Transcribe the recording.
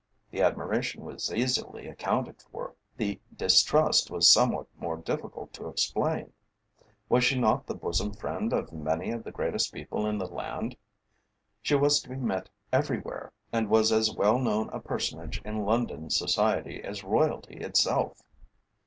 The admiration was easily accounted for; the distrust was somewhat more difficult to explain. Was she not the bosom friend of many of the greatest people in the land? She was to be met everywhere, and was as well known a personage in London Society as Royalty itself.